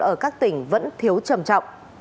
ở các tỉnh vẫn thiếu trầm trọng